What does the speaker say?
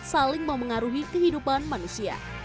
saling memengaruhi kehidupan manusia